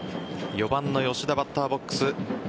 ４番の吉田、バッターボックス。